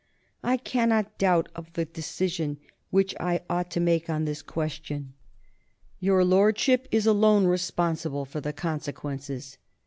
I cannot doubt of the decision which I ought to make on this question. Your Lordship is alone responsible for the consequences."